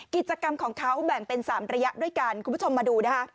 กิจกรรมของเขาแบ่งเป็น๓ระยะด้วยกันคุณผู้ชมมาดูนะคะ